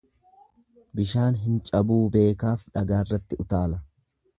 Bishaan hin cabuu beekaaf dhagaarratti utaala.